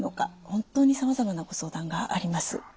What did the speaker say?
本当にさまざまなご相談があります。